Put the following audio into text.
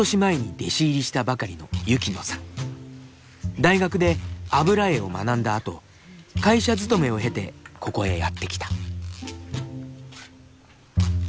大学で油絵を学んだあと会社勤めを経てここへやって来た。